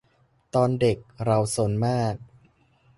ตอนเด็กเราซนมาก